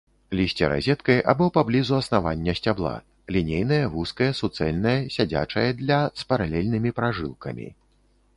Лісце разеткай або паблізу аснавання сцябла, лінейнае, вузкае, суцэльнае, сядзячае для, з паралельнымі пражылкамі.